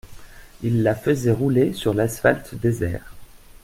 ils la faisaient rouler sur l’asphalte désert